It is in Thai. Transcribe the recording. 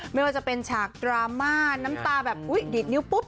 ไม่ว่าจะเป็นฉากดราม่าน้ำตาแบบอุ๊ยดีดนิ้วปุ๊บ